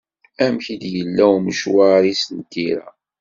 Amek i d-yella umecwar-is n tira?